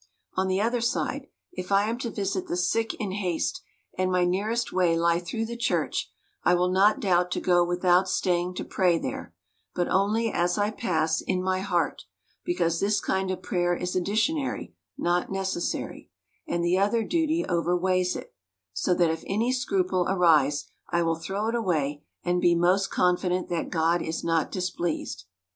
On the other side, if I am to visit the sick in haste, and my nearest way lie through the church, I will not doubt to go without staying to pray there (but only, as I pass, in my heart), because this kind of prayer is additionary, not necessary ; and the other duty overweighs it ; so that if any scruple arise, 1 will throw it away, and be most confident that God is not displeased.